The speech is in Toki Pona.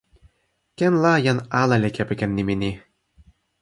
ken la jan ala li kepeken nimi ni.